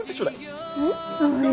うん。